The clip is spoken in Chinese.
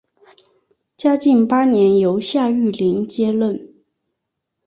嘉靖八年由夏玉麟接任。